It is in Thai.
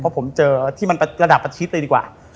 เพราะผมเจอที่มันระดับประชิดเลยดีกว่า